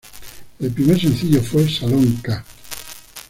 El primer sencillo fue "Salón k".